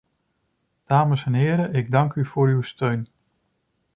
Dames en heren, ik dank u voor uw steun.